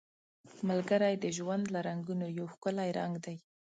ملګری د ژوند له رنګونو یو ښکلی رنګ دی